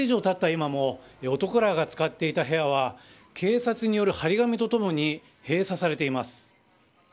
今も男らが使っていた部屋は警察による張り紙とともに閉鎖されています。